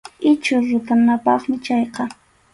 Ichhu rutunapaqmi chayqa.